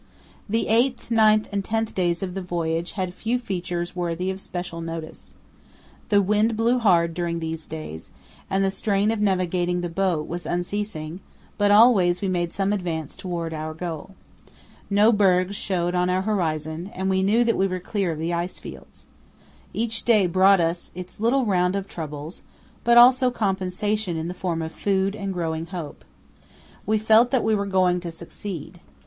The eighth, ninth, and tenth days of the voyage had few features worthy of special note. The wind blew hard during those days, and the strain of navigating the boat was unceasing, but always we made some advance towards our goal. No bergs showed on our horizon, and we knew that we were clear of the ice fields. Each day brought its little round of troubles, but also compensation in the form of food and growing hope. We felt that we were going to succeed.